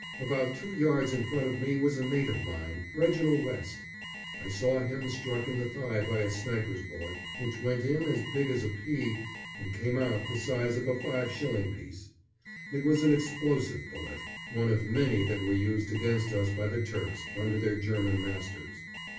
About two yards in front of me was a mate of mine, Reginald West. I saw him struck in the thigh by a sniper's bullet, which went in as big as a pea, and came out the size of a five shilling piece. It was an explosive bullet, one of many that were used against us by the Turks, under their German masters.